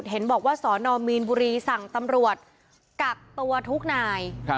เห็นบอกว่าสนมีนบุรีสั่งตำรวจกักตัวทุกนาย